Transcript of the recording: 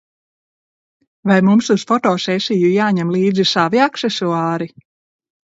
Vai mums uz foto sesiju jāņem līdzi savi aksesuāri?